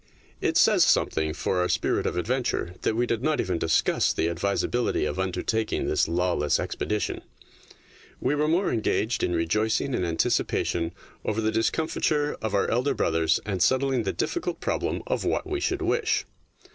It says something for our spirit of adven ture that we did not even discuss the advisability of undertaking this lawless ex 22 THE DAY BEFORE YESTERDAY pedition. We were more engaged in rejoicing in anticipation over the discom fiture of our elder brothers and settling the difficult problem of what we should wish.